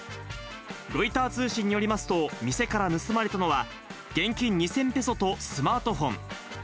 ロイター通信によりますと、店から盗まれたのは、現金２０００ペソとスマートフォン。